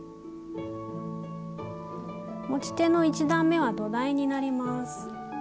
持ち手の１段めは土台になります。